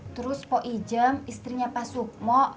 terus po ijem istrinya pak sukmo